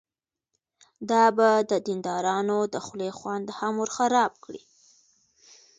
دا به د دیندارانو د خولې خوند هم ورخراب کړي.